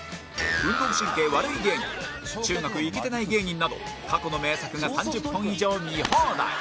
運動神経悪い芸人中学イケてない芸人など過去の名作が３０本以上見放題